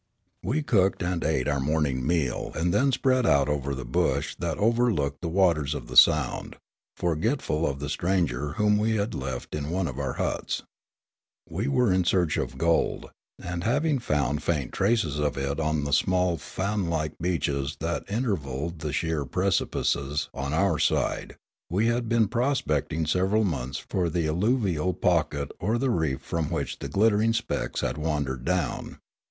We cooked and ate our morning meal, and then spread out over the bush that overlooked the waters of the sound, forgetful of the stranger whom we had left in one of our huts. We were in search of gold, and, having found faint traces of it on the small, fan like beaches that intervalled the sheer precipices on our side, we had been prospecting several months for the alluvial pocket or the reef from which the glittering specks had wandered down.